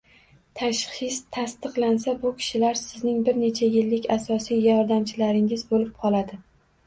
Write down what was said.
Tashxis tasdiqlansa, bu kishilar sizning bir necha yillik asosiy yordamchilaringiz bo‘lib qoladi.